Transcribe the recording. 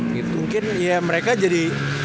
mungkin ya mereka jadi